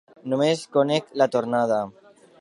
Només conec la tornada.